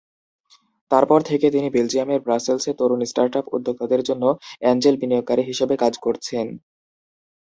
তারপর থেকে তিনি বেলজিয়ামের ব্রাসেলসে তরুণ স্টার্টআপ উদ্যোক্তাদের জন্য অ্যাঞ্জেল বিনিয়োগকারী হিসাবে কাজ করছেন।